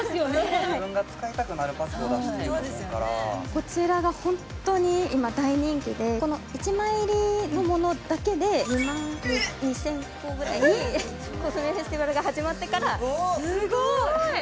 こちらが本当に今大人気でこの１枚入りのものだけで２万２０００個ぐらいコスメフェスティバルが始まってからすごい！